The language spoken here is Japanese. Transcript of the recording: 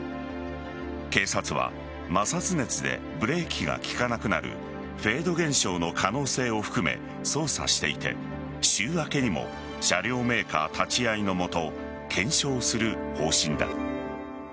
警察は摩擦熱でブレーキが利かなくなるフェード現象の可能性を含め捜査していて週明けにも車両メーカー立ち会いのもと検証する方針だ。